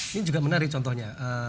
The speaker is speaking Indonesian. ini juga menarik contohnya